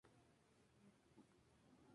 Así quedarían en paz.